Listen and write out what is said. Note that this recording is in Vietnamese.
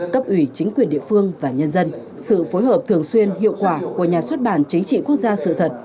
cấp ủy chính quyền địa phương và nhân dân sự phối hợp thường xuyên hiệu quả của nhà xuất bản chính trị quốc gia sự thật